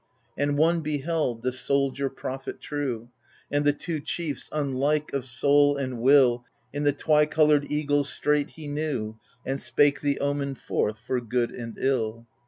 And one beheld, the soldier prophet true. And the two chiefs, unlike of soul and will, In the twy coloured eagles straight he knew. And spake the omen forth, for good and ill.